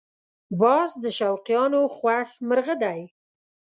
باز د شوقیانو خوښ مرغه دی